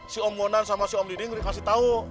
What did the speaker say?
si om bonan sama si om diding udah dikasih tahu